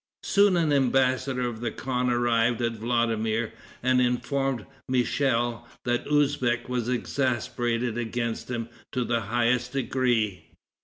Soon an embassador of the khan arrived at Vladimir, and informed Michel that Usbeck was exasperated against him to the highest degree.